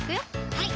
はい